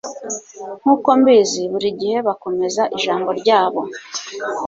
Nkuko mbizi, burigihe bakomeza ijambo ryabo.